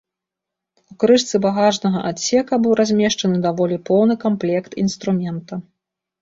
У крышцы багажнага адсека быў размешчаны даволі поўны камплект інструмента.